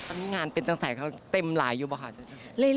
มีงานเป็นจังสัยเขาเต็มหลายอยู่หรือเปล่าค่ะ